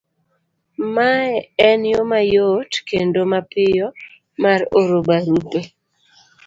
Mae en yo mayot kendo mapiyo mar oro barupe,